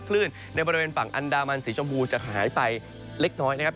คลื่นในบริเวณฝั่งอันดามันสีชมพูจะหายไปเล็กน้อยนะครับ